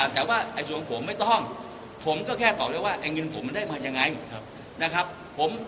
แต่ว่าส่วนของผมไม่ต้องผมก็แค่ตอบได้ว่าไอ้เงินผมมันได้มายังไงนะครับ